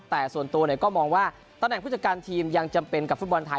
แต่ส่วนตัวก็มองว่าตำแหน่งผู้จัดการทีมยังจำเป็นกับฟุตบอลไทย